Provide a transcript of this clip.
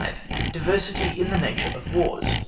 DIVERSITY IN THE NATURE OF WARS.